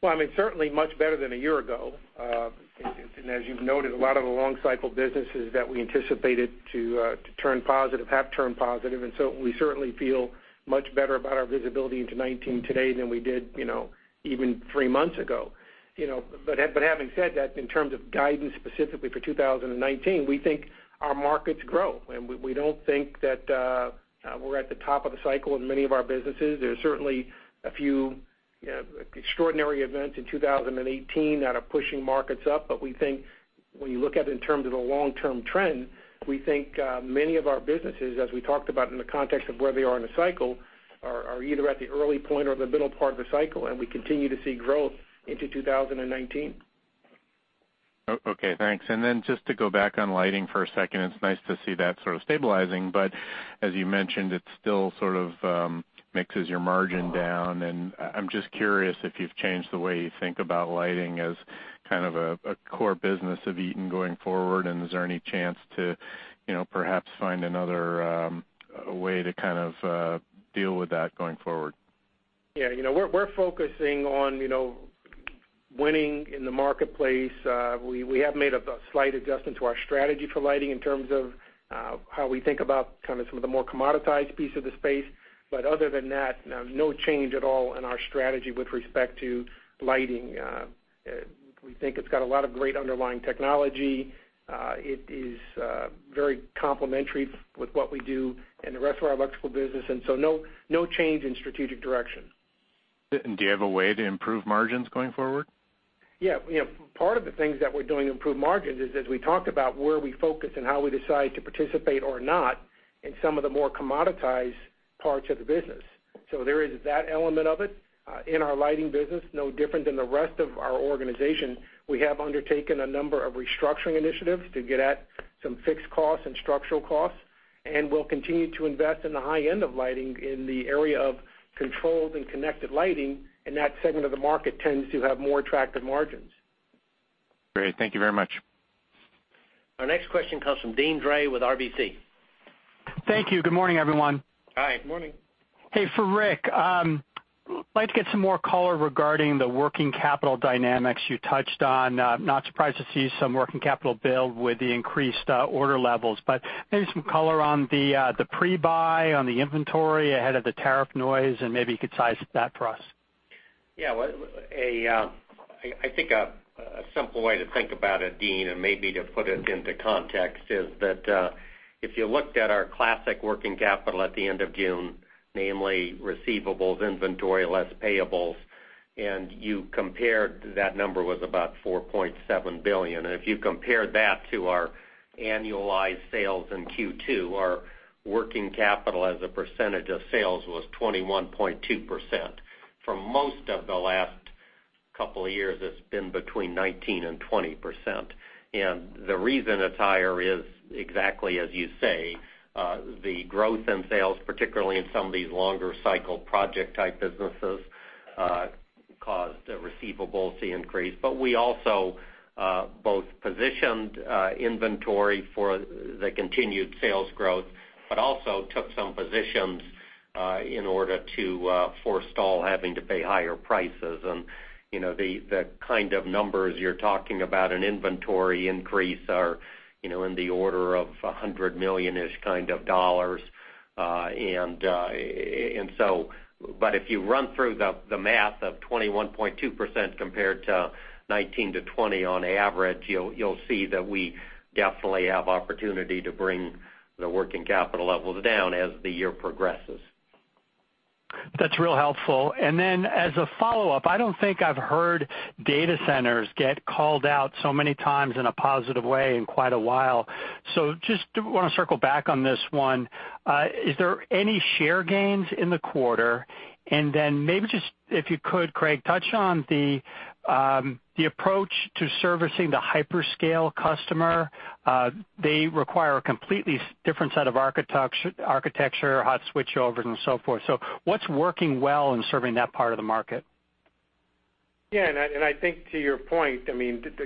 Well, certainly much better than a year ago. As you've noted, a lot of the long cycle businesses that we anticipated to turn positive have turned positive, so we certainly feel much better about our visibility into 2019 today than we did even three months ago. Having said that, in terms of guidance specifically for 2019, we think our markets grow, and we don't think that we're at the top of the cycle in many of our businesses. There's certainly a few extraordinary events in 2018 that are pushing markets up. When you look at it in terms of the long-term trend, we think many of our businesses, as we talked about in the context of where they are in the cycle, are either at the early point or the middle part of the cycle, and we continue to see growth into 2019. Okay, thanks. Just to go back on lighting for a second, it's nice to see that sort of stabilizing, but as you mentioned, it still sort of mixes your margin down. I'm just curious if you've changed the way you think about lighting as kind of a core business of Eaton going forward, and is there any chance to perhaps find another way to kind of deal with that going forward? Yeah. We're focusing on winning in the marketplace. We have made a slight adjustment to our strategy for lighting in terms of how we think about kind of some of the more commoditized pieces of the space. Other than that, no change at all in our strategy with respect to lighting. We think it's got a lot of great underlying technology. It is very complementary with what we do in the rest of our electrical business, no change in strategic direction. Do you have a way to improve margins going forward? Yeah. Part of the things that we're doing to improve margins is, as we talked about, where we focus and how we decide to participate or not in some of the more commoditized parts of the business. There is that element of it. In our lighting business, no different than the rest of our organization, we have undertaken a number of restructuring initiatives to get at some fixed costs and structural costs, and we'll continue to invest in the high end of lighting in the area of controlled and connected lighting, and that segment of the market tends to have more attractive margins. Great. Thank you very much. Our next question comes from Deane Dray with RBC. Thank you. Good morning, everyone. Hi. Morning. Hey, for Ric. I'd like to get some more color regarding the working capital dynamics you touched on. Not surprised to see some working capital build with the increased order levels, maybe some color on the pre-buy on the inventory ahead of the tariff noise, and maybe you could size that for us. Yeah. I think a simple way to think about it, Deane, maybe to put it into context, is that if you looked at our classic working capital at the end of June namely receivables inventory less payables, that number was about $4.7 billion. If you compare that to our annualized sales in Q2, our working capital as a percentage of sales was 21.2%. For most of the last couple of years, it's been between 19% and 20%. The reason it's higher is exactly as you say, the growth in sales, particularly in some of these longer cycle project type businesses, caused the receivables to increase. We also both positioned inventory for the continued sales growth, also took some positions in order to forestall having to pay higher prices. The kind of numbers you're talking about in inventory increase are in the order of $100 million-ish kind of dollars. If you run through the math of 21.2% compared to 19% to 20% on average, you'll see that we definitely have opportunity to bring the working capital levels down as the year progresses. That's real helpful. As a follow-up, I don't think I've heard data centers get called out so many times in a positive way in quite a while. Just want to circle back on this one. Is there any share gains in the quarter? Maybe just, if you could, Craig, touch on the approach to servicing the hyperscale customer. They require a completely different set of architecture, hot switchovers, and so forth. What's working well in serving that part of the market? I think to your point,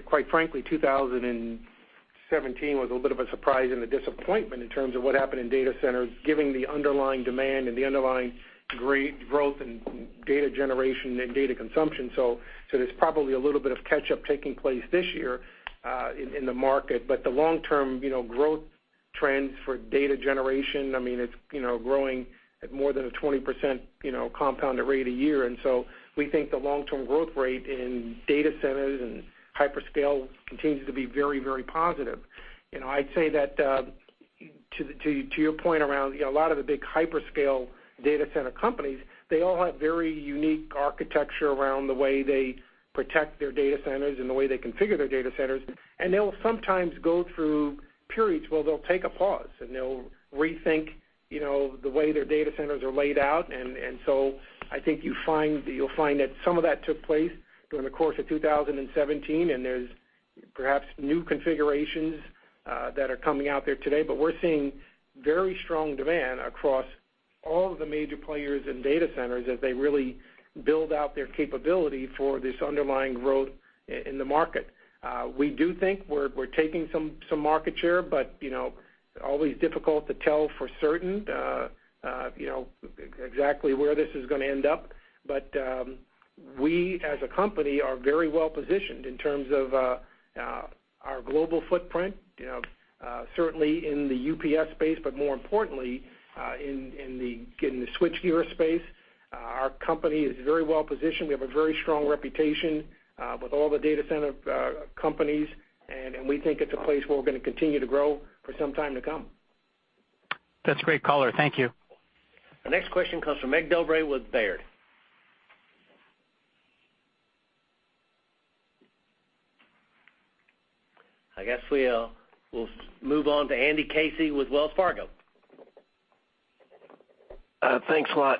quite frankly, 2017 was a little bit of a surprise and a disappointment in terms of what happened in data centers, given the underlying demand and the underlying great growth in data generation and data consumption. There's probably a little bit of catch-up taking place this year in the market. The long-term growth trends for data generation, it's growing at more than a 20% compound rate a year. We think the long-term growth rate in data centers and hyperscale continues to be very positive. I'd say that to your point around a lot of the big hyperscale data center companies, they all have very unique architecture around the way they protect their data centers and the way they configure their data centers, and they'll sometimes go through periods where they'll take a pause, and they'll rethink the way their data centers are laid out. I think you'll find that some of that took place during the course of 2017, and there's perhaps new configurations that are coming out there today. We're seeing very strong demand across all of the major players in data centers as they really build out their capability for this underlying growth in the market. We do think we're taking some market share, but always difficult to tell for certain exactly where this is going to end up. We, as a company, are very well positioned in terms of our global footprint certainly in the UPS space, but more importantly in the switchgear space. Our company is very well positioned. We have a very strong reputation with all the data center companies, we think it's a place where we're going to continue to grow for some time to come. That's great color. Thank you. The next question comes from Mic Dobre with Baird. I guess we'll move on to Andy Casey with Wells Fargo. Thanks a lot.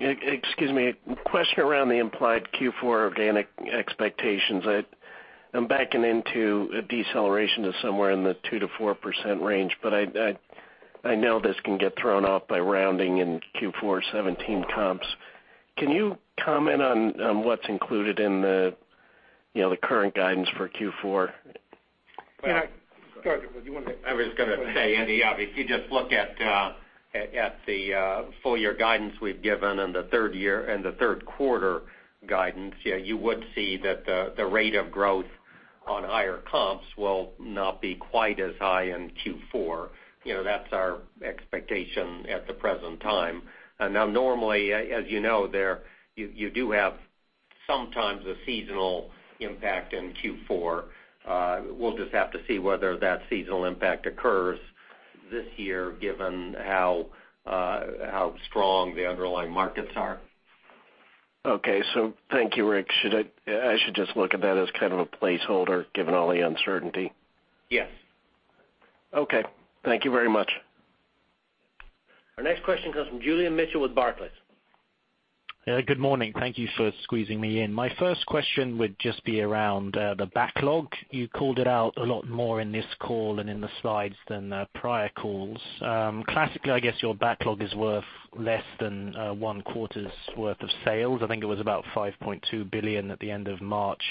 Excuse me. Question around the implied Q4 organic expectations. I'm backing into a deceleration to somewhere in the 2% to 4% range, but I know this can get thrown off by rounding in Q4 2017 comps. Can you comment on what's included in the current guidance for Q4? Ric. Sorry, did you want to- I was going to say, Andy, obviously, just look at the full-year guidance we've given and the third quarter guidance, you would see that the rate of growth on higher comps will not be quite as high in Q4. That's our expectation at the present time. Normally, as you know, you do have sometimes a seasonal impact in Q4. We'll just have to see whether that seasonal impact occurs this year given how strong the underlying markets are. Thank you, Ric. I should just look at that as kind of a placeholder given all the uncertainty? Yes. Okay. Thank you very much. Our next question comes from Julian Mitchell with Barclays. Good morning. Thank you for squeezing me in. My first question would just be around the backlog. You called it out a lot more in this call and in the slides than prior calls. Classically, I guess your backlog is worth less than one quarter's worth of sales. I think it was about $5.2 billion at the end of March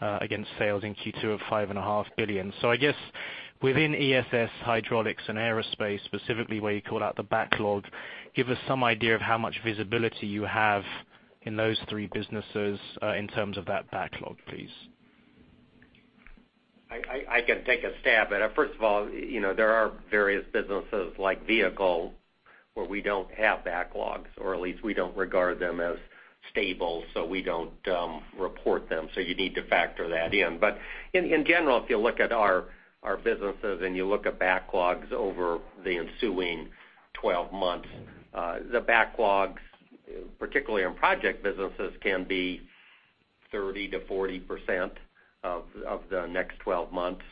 against sales in Q2 of $5.5 billion. I guess within ESS, hydraulics, and aerospace, specifically where you call out the backlog, give us some idea of how much visibility you have in those three businesses in terms of that backlog, please. I can take a stab at it. First of all, there are various businesses like vehicle where we don't have backlogs, or at least we don't regard them as stable, so we don't report them. You need to factor that in. In general, if you look at our businesses and you look at backlogs over the ensuing 12 months, the backlogs, particularly on project businesses, can be 30%-40% of the next 12 months.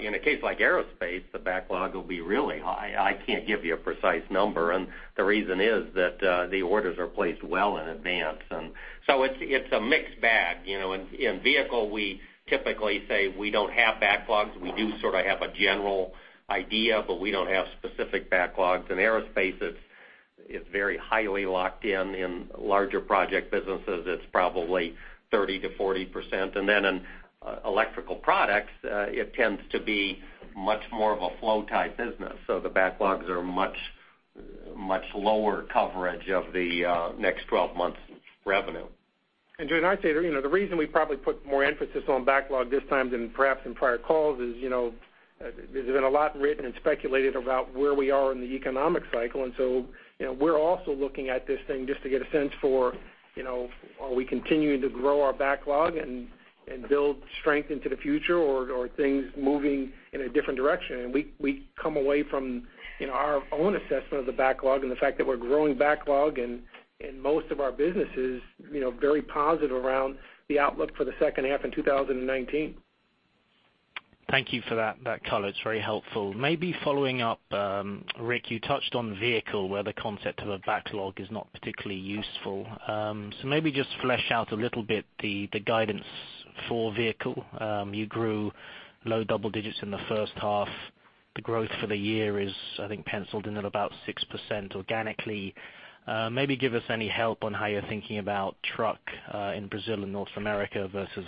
In a case like aerospace, the backlog will be really high. I can't give you a precise number, and the reason is that the orders are placed well in advance. It's a mixed bag. In vehicle, we typically say we don't have backlogs. We do sort of have a general idea, but we don't have specific backlogs. In aerospace, it's very highly locked in. In larger project businesses, it's probably 30%-40%. In electrical products, it tends to be much more of a flow-type business, so the backlogs are much lower coverage of the next 12 months revenue. Joe, and I'd say, the reason we probably put more emphasis on backlog this time than perhaps in prior calls is, there's been a lot written and speculated about where we are in the economic cycle. We're also looking at this thing just to get a sense for are we continuing to grow our backlog and build strength into the future, or are things moving in a different direction? We come away from our own assessment of the backlog and the fact that we're growing backlog and most of our businesses, very positive around the outlook for the second half in 2019. Thank you for that color. It's very helpful. Maybe following up, Ric, you touched on vehicle, where the concept of a backlog is not particularly useful. Maybe just flesh out a little bit the guidance for vehicle. You grew low double digits in the first half. The growth for the year is, I think, penciled in at about 6% organically. Maybe give us any help on how you're thinking about truck in Brazil and North America versus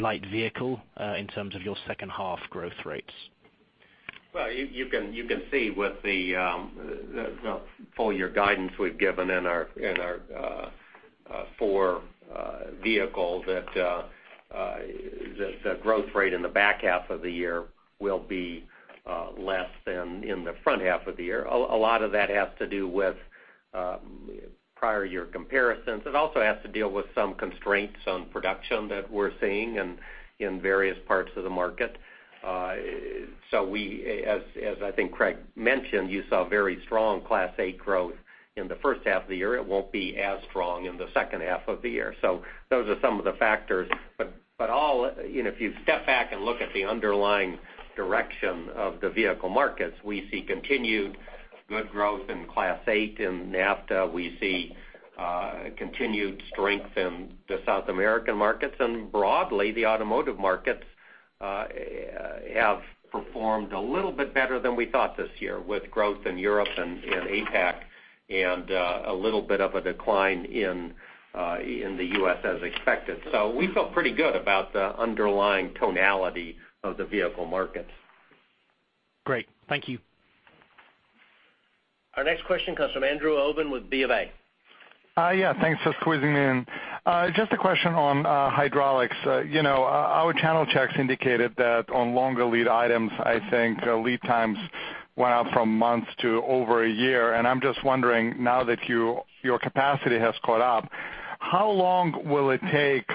light vehicle, in terms of your second half growth rates. You can see with the full year guidance we've given in our four vehicles, that the growth rate in the back half of the year will be less than in the front half of the year. A lot of that has to do with prior year comparisons. It also has to deal with some constraints on production that we're seeing in various parts of the market. We, as I think Craig mentioned, you saw very strong Class 8 growth in the first half of the year. It won't be as strong in the second half of the year. Those are some of the factors. If you step back and look at the underlying direction of the vehicle markets, we see continued good growth in Class 8 in NAFTA. We see continued strength in the South American markets, and broadly, the automotive markets have performed a little bit better than we thought this year, with growth in Europe and in APAC and a little bit of a decline in the U.S. as expected. We feel pretty good about the underlying tonality of the vehicle markets. Great. Thank you. Our next question comes from Andrew Obin with Bank of America. Yeah, thanks for squeezing me in. Just a question on hydraulics. Our channel checks indicated that on longer lead items, I think lead times went out from months to over a year. I'm just wondering, now that your capacity has caught up, how long will it take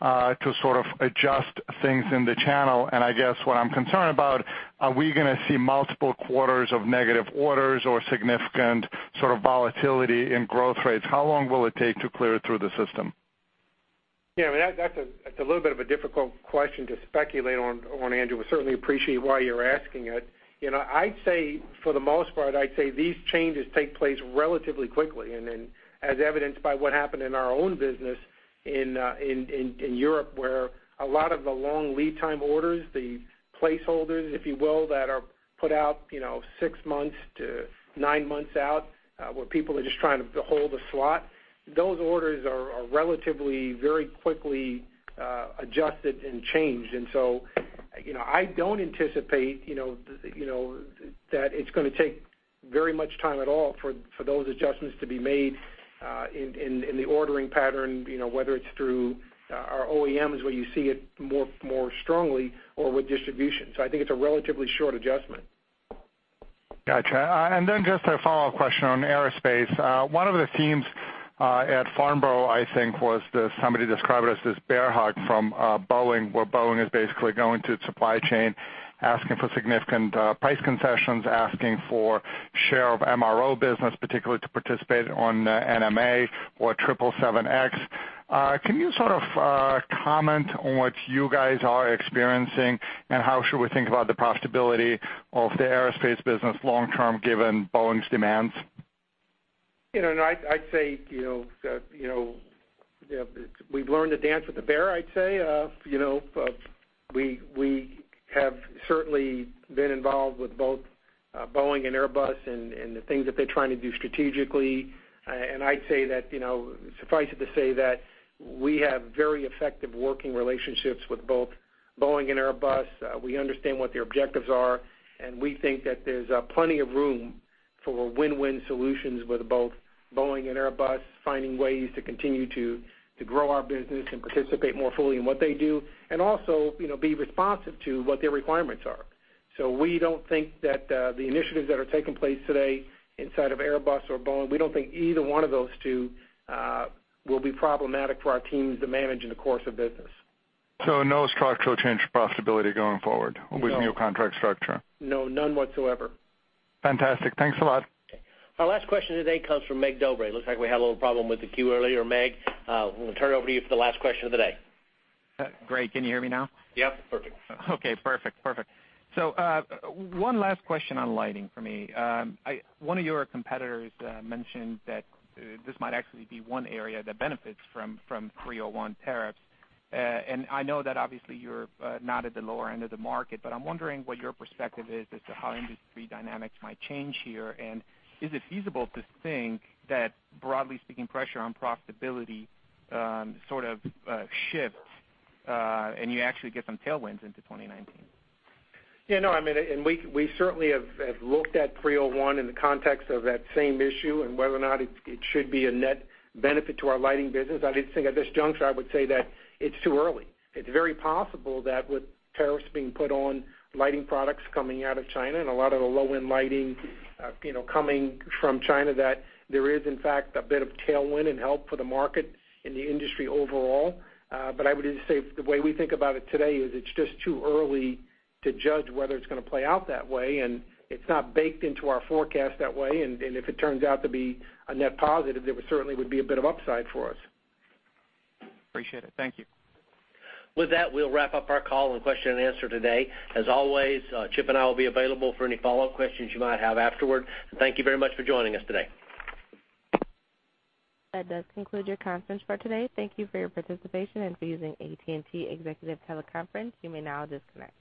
to sort of adjust things in the channel? I guess what I'm concerned about, are we going to see multiple quarters of negative orders or significant sort of volatility in growth rates? How long will it take to clear through the system? Yeah, that's a little bit of a difficult question to speculate on, Andrew. We certainly appreciate why you're asking it. For the most part, I'd say these changes take place relatively quickly. As evidenced by what happened in our own business in Europe, where a lot of the long lead time orders, the placeholders, if you will, that are put out six months to nine months out, where people are just trying to hold a slot, those orders are relatively very quickly adjusted and changed. I don't anticipate that it's going to take very much time at all for those adjustments to be made in the ordering pattern, whether it's through our OEMs, where you see it more strongly, or with distribution. I think it's a relatively short adjustment. Got you. Just a follow-up question on aerospace. One of the themes at Farnborough, I think, was that somebody described it as this bear hug from Boeing, where Boeing is basically going to its supply chain, asking for significant price concessions, asking for share of MRO business, particularly to participate on NMA or 777X. Can you sort of comment on what you guys are experiencing? How should we think about the profitability of the aerospace business long term, given Boeing's demands? I'd say, we've learned to dance with the bear, I'd say. We have certainly been involved with both Boeing and Airbus and the things that they're trying to do strategically. I'd say that, suffice it to say that we have very effective working relationships with both Boeing and Airbus. We understand what their objectives are. We think that there's plenty of room for win-win solutions with both Boeing and Airbus, finding ways to continue to grow our business and participate more fully in what they do, also be responsive to what their requirements are. We don't think that the initiatives that are taking place today inside of Airbus or Boeing, we don't think either one of those two will be problematic for our teams to manage in the course of business. No structural change profitability going forward No With the new contract structure? No, none whatsoever. Fantastic. Thanks a lot. Our last question today comes from Mic Dobre. Looks like we had a little problem with the queue earlier, Meg. We'll turn it over to you for the last question of the day. Great. Can you hear me now? Yep. Perfect. Okay, perfect. One last question on lighting for me. One of your competitors mentioned that this might actually be one area that benefits from 301 tariffs. I know that obviously you're not at the lower end of the market, but I'm wondering what your perspective is as to how industry dynamics might change here, and is it feasible to think that broadly speaking pressure on profitability sort of shifts, and you actually get some tailwinds into 2019? Yeah, no, we certainly have looked at 301 in the context of that same issue and whether or not it should be a net benefit to our lighting business. I just think at this juncture, I would say that it's too early. It's very possible that with tariffs being put on lighting products coming out of China and a lot of the low-end lighting coming from China, that there is in fact a bit of tailwind and help for the market and the industry overall. I would just say the way we think about it today is it's just too early to judge whether it's going to play out that way, and it's not baked into our forecast that way. If it turns out to be a net positive, there certainly would be a bit of upside for us. Appreciate it. Thank you. With that, we'll wrap up our call and question and answer today. As always, Chip and I will be available for any follow-up questions you might have afterward. Thank you very much for joining us today. That does conclude your conference for today. Thank you for your participation and for using AT&T Executive Teleconference. You may now disconnect.